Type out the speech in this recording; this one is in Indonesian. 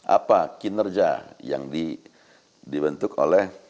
apa kinerja yang dibentuk oleh